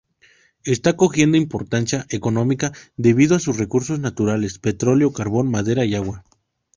Está cogiendo importancia económica debido a sus recursos naturales: petróleo, carbón, madera y agua.